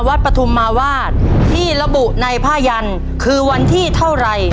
ปฐุมมาวาดที่ระบุในผ้ายันคือวันที่เท่าไร